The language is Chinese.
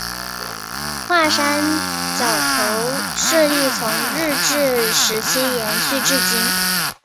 华山角头势力从日治时期延续至今。